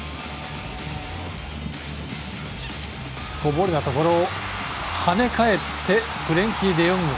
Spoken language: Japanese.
こぼれたところをはね返ってフレンキー・デヨング。